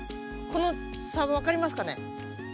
この差分かりますかね？